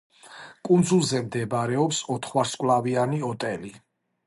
კუნძულზე მდებარეობს ოთხვარსკვლავიანი ოტელი.